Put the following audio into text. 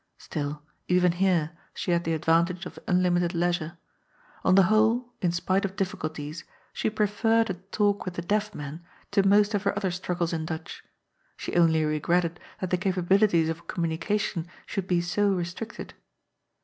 Still, even here, she had the advantage of unlimited leisure. On the whole — in spite of difficulties — she preferred a talk with the deaf man to most of her other struggles in Dutch. She only regretted that the capabilities of communication should be so restricted.